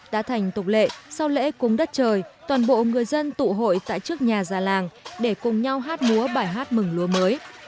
đã thành tục lệ sau lễ cúng đất trời toàn bộ người dân tụ hội tại trước nhà già làng để cùng nhau hát múa bài hát mừng lúa mới